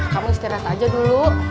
kamu istirahat aja dulu